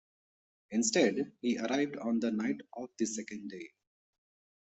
Instead, he arrived on the night of the second day.